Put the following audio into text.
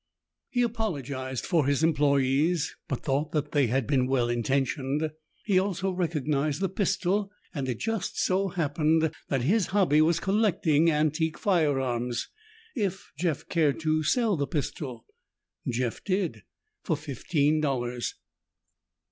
He apologized for his employees but thought that they had been well intentioned. He also recognized the pistol and it just so happened that his hobby was collecting antique fire arms. If Jeff cared to sell the pistol Jeff did, for fifteen dollars.